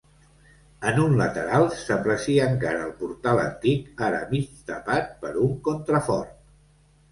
En un lateral s'aprecia encara el portal antic ara mig tapat per un contrafort.